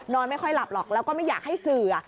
ไม่ค่อยหลับหรอกแล้วก็ไม่อยากให้สื่อ